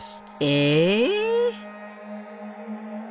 え！